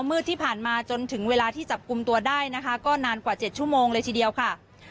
มืดที่ผ่านมาจนถึงเวลาที่จับกลุ่มตัวได้นะคะก็นานกว่า๗ชั่วโมงเลยทีเดียวค่ะ